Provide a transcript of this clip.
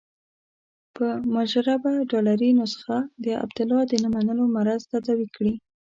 په مجربه ډالري نسخه د عبدالله د نه منلو مرض تداوي کړي.